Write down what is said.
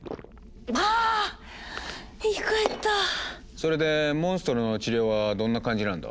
それでモンストロの治療はどんな感じなんだ？